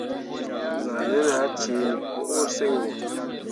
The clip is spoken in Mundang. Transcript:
Zahnen ah ceeni mo urseŋ wo.